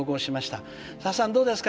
さださんどうですか？